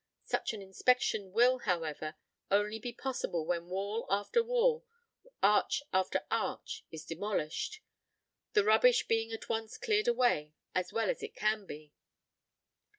Such an inspection will, however, only be possible when wall after wall, arch after arch, is demolished, the rubbish being at once cleared away as well as it can be.